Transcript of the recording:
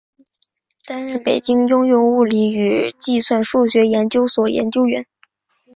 担任北京应用物理与计算数学研究所研究员。